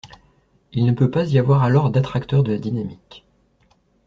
il ne peut pas y avoir alors d'attracteurs de la dynamique